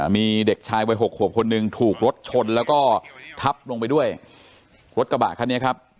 มีเด็กชายวัยหกขวบคนหนึ่งถูกรถชนแล้วก็ทับลงไปด้วยรถกระบะคันนี้ครับ